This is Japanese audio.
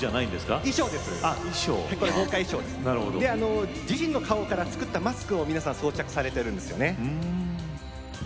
これ、自身の顔から作ったマスクを皆さん装着しているんですよね。